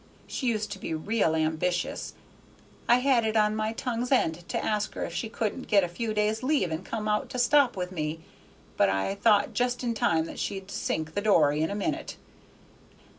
She used to be real ambitious. I had it on my tongue's end to ask her if she couldn't get a few days' leave and come out to stop with me, but I thought just in time that she'd sink the dory in a minute.